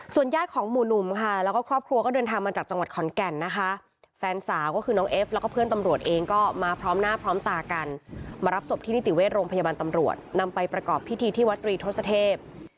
ญาติของหมู่หนุ่มค่ะแล้วก็ครอบครัวก็เดินทางมาจากจังหวัดขอนแก่นนะคะแฟนสาวก็คือน้องเอฟแล้วก็เพื่อนตำรวจเองก็มาพร้อมหน้าพร้อมตากันมารับศพที่นิติเวชโรงพยาบาลตำรวจนำไปประกอบพิธีที่วัดตรีทศเทพ